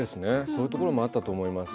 そういうこともあったと思います。